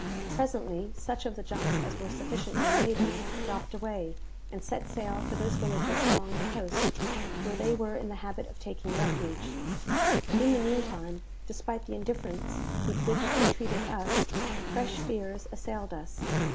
Presently, such of the junks as were sufficiently laden, dropped away, and set sail for those villages along the coast, where they were in the habit of taking refuge. In the meantime, despite the indifference with which they treated us, fresh fears assailed us.